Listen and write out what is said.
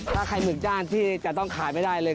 ถ้าใครหมึกจ้านที่จะต้องขายไม่ได้เลย